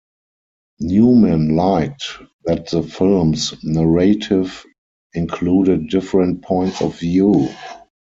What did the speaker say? Newman liked that the film's narrative included different points of view.